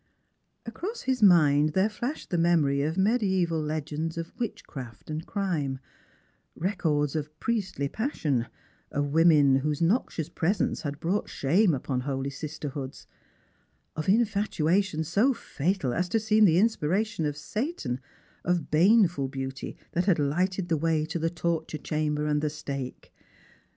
Across his mind there flashed the memory of mediaaval legends of witchcraft and crime: records of priestly passion — of women whose noxious presence had brought shame upon holy sister hoods — of infatuation so fatal as to seem the inspiration of Satan — of baneful beauty that had lighted the way to the tor ture chamber and the stake.